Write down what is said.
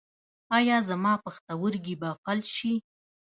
ایا زما پښتورګي به فلج شي؟